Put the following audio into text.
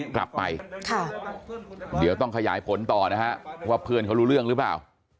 กลับไปค่ะเดี๋ยวต้องขยายผลต่อนะฮะว่าเพื่อนเขารู้เรื่องหรือเปล่า